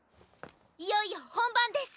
いよいよ本番です。